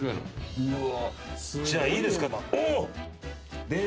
じゃあいいですかおっ！